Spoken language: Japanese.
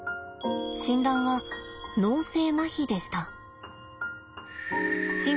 診断は脳性まひでした。